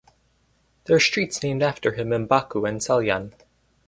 There are streets named after him in Baku and Salyan.